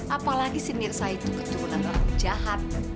apalagi si mirsa itu keturunan agung jahat